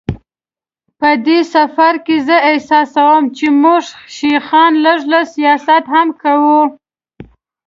په دې سفر کې زه احساسوم چې زموږ شیخان لږ لږ سیاست هم کوي.